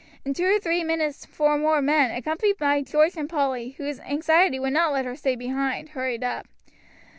In two or three minutes four more men, accompanied by George and Polly, whose anxiety would not let her stay behind, hurried up.